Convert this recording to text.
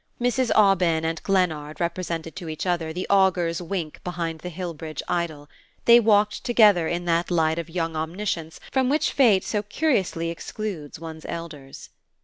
Mrs. Aubyn and Glennard represented to each other the augur's wink behind the Hillbridge idol: they walked together in that light of young omniscience from which fate so curiously excludes one's elders.